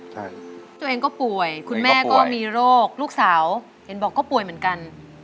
ใช่ตัวเองก็ป่วยคุณแม่ก็มีโรคลูกสาวเห็นบอกก็ป่วยเหมือนกัน